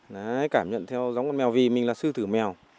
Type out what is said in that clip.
đấy cảm nhận theo giống con mèo vì mình là sư tử mèo